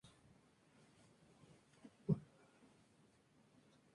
Su personaje era Jesse Braun, basado en el personaje Rod Lane en la original.